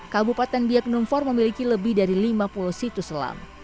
kabupaten biak numfor memiliki lebih dari lima puluh situs selam